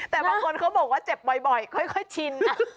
แต่บางคนเขาบอกว่าเจ็บบ่อยค่อยชิน